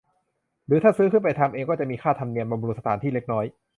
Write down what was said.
หรือถ้าซื้อขึ้นไปทำเองก็จะมีค่าธรรมเนียมบำรุงสถานที่เล็กน้อย